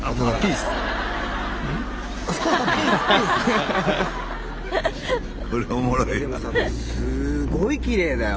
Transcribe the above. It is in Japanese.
でもさすごいきれいだよ。